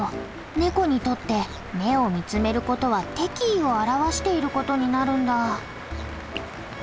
ネコにとって目を見つめることは敵意を表していることになるんだ。